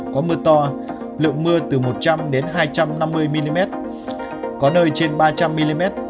có mưa to lượng mưa từ một trăm linh đến hai trăm năm mươi mm có nơi trên ba trăm linh mm